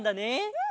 うん！